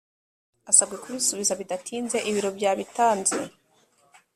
asabwe kubisubiza bidatinze ibiro byabitanze